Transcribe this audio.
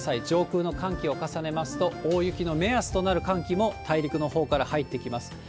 上空の寒気を重ねますと、大雪の目安となる寒気も大陸のほうから入ってきます。